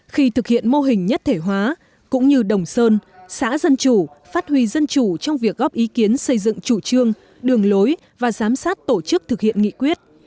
khi thực hiện mô hình nhất thể hóa cũng như đồng sơn xã dân chủ phát huy dân chủ trong việc góp ý kiến xây dựng chủ trương đường lối và giám sát tổ chức thực hiện nghị quyết